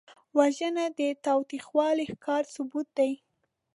وژنه د تاوتریخوالي ښکاره ثبوت دی